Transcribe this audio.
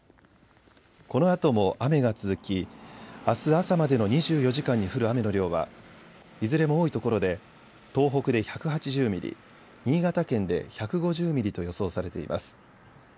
このあとも雨が続きあす朝までの２４時間に降る雨の量はいずれも多いところで東北で１８０ミリ、新潟県で１５０ミリと予想されています。